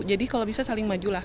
jadi kalau bisa saling maju lah